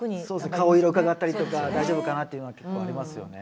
顔色うかがったりとか大丈夫かなっていうのは結構ありますよね。